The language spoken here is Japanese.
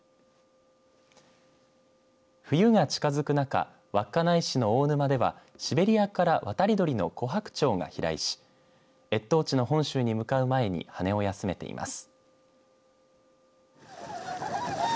冬が近づく中、稚内市の大沼ではシベリアから渡り鳥のコハクチョウが飛来し越冬地の本州に向かう前に羽を休めています。